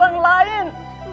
dia gak pernah mikirin orang lain